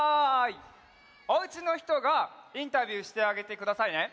おうちのひとがインタビューしてあげてくださいね。